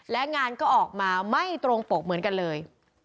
และงานก็ออกมาไม่ตรงปกเหมือนกันเลย